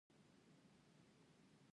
مېوې د افغانستان د سیاسي جغرافیه برخه ده.